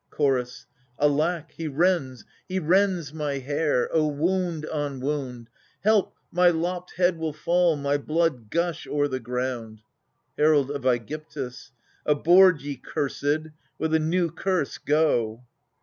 Chorus. Alack, he rends — he rends my hair ! O wound on wound ! Help ! my lopped head will fall, my blood gush o'er the ground ! Herald of ^gyptus. Aboard, ye cursed — with a new curse, go